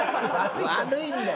悪いんだよ。